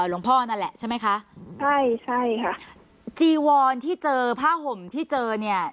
นั่นแหละใช่ไหมคะใช่ใช่ค่ะจีวอนที่เจอผ้าห่มที่เจอเนี่ย